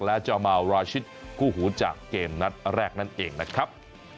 และเจ้าเมาราชิตกู้หูจากเกมนัดแรกนั่นเองนะครับ